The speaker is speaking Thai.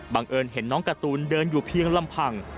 เอิญเห็นน้องการ์ตูนเดินอยู่เพียงลำพัง